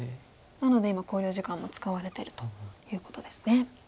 なので今考慮時間を使われてるということですね。